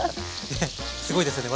すごいですよね